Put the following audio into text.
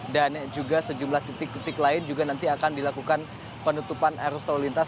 dan juga sejumlah titik titik lain juga nanti akan dilakukan penutupan arus lalu lintas